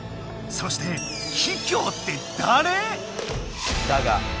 そしてキキョウってだれ？